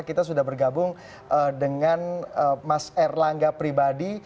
kita sudah bergabung dengan mas erlangga pribadi